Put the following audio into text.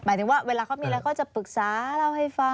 หมายถึงว่าเวลาเขามีแล้วก็จะปรึกษาเราให้ฟัง